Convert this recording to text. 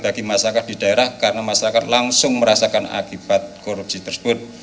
bagi masyarakat di daerah karena masyarakat langsung merasakan akibat korupsi tersebut